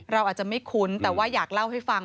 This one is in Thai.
เราอาจจะไม่คุ้นแต่ว่าอยากเล่าให้ฟัง